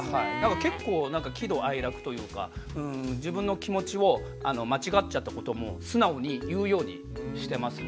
結構喜怒哀楽というか自分の気持ちを間違っちゃったことも素直に言うようにしてますね。